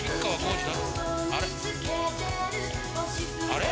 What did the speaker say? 「あれ？